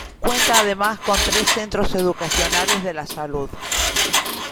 Cuenta además con tres centros educacionales de la salud.